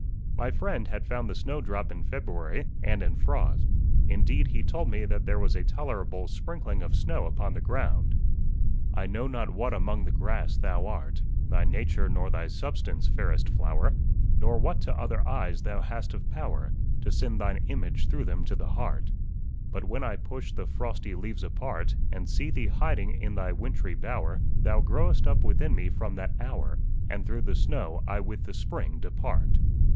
My friend had found the snowdrop in February, and in frost. Indeed he told me that there was a tolerable sprinkling of snow upon the ground: "I know not what among the grass thou art, Thy nature, nor thy substance, fairest flower, Nor what to other eyes thou hast of power To send thine image through them to the heart; But when I push the frosty leaves apart, And see thee hiding in thy wintry bower, Thou growest up within me from that hour, And through the snow I with the spring depart.